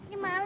eh tapi tom